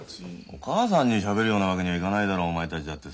お母さんにしゃべるようなわけにはいかないだろお前たちだってさ。